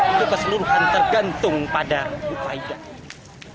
itu keseluruhan tergantung pada bupati jember faida